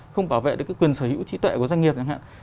không bảo vệ được cái quyền sở hữu trí tuệ của doanh nghiệp